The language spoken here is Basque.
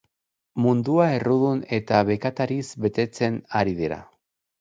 Mundua errudun eta bekatariz betetzen ari dira.